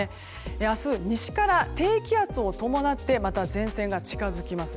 明日西から低気圧を伴って前線が近づきます。